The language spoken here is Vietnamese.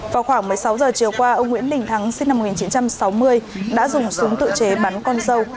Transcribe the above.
vào khoảng một mươi sáu giờ chiều qua ông nguyễn đình thắng sinh năm một nghìn chín trăm sáu mươi đã dùng súng tự chế bắn con dâu